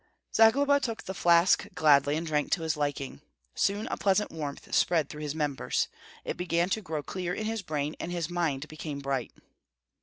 Zagloba took the flask gladly, and drank to his liking. Soon a pleasant warmth spread through his members. It began to grow clear in his brain, and his mind became bright.